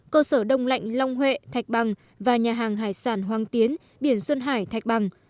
cơ sở đông lạnh long huệ thạch bằng và nhà hàng hải sản hoàng tiến biển xuân hải thạch bằng